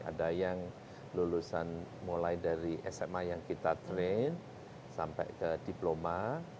ada yang lulusan mulai dari sma yang kita train sampai ke diploma